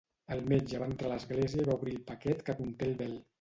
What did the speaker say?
El metge va entrar a l'església i va obrir el paquet que conté el vel.